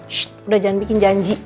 sh udah jangan bikin janji